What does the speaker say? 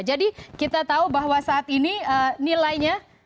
kita tahu bahwa saat ini nilainya